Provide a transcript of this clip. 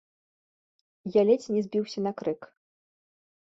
Я ледзь не збіўся на крык.